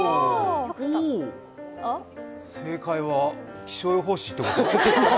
正解は気象予報士ってこと？